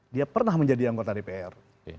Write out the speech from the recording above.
dia pernah menjadi anggota dpr